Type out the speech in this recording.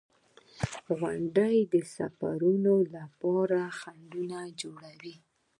• غونډۍ د سفرونو لپاره خنډونه جوړوي.